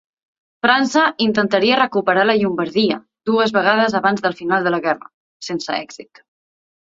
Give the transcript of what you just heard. França intentaria recuperar la Llombardia dues vegades abans del final de la guerra, sense èxit.